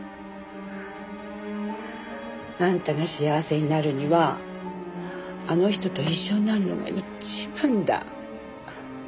あんたが幸せになるにはあの人と一緒になるのが一番だ。